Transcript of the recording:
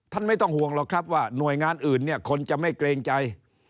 ไม่ต้องห่วงหรอกครับว่าหน่วยงานอื่นเนี่ยคนจะไม่เกรงใจ